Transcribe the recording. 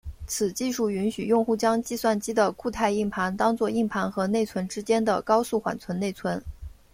此技术允许用户将计算机的固态硬盘当做硬盘和内存之间的高速缓存内存。